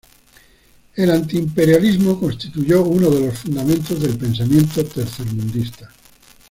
El antiimperialismo constituyó uno de los fundamentos del pensamiento tercermundista.